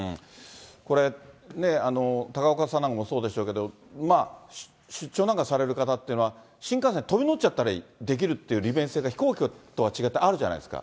これ、高岡さんなんかもそうでしょうけど、出張なんかされる方っていうのは、新幹線、飛び乗っちゃったりできるっていう利便性が、飛行機とは違ってあるじゃないですか。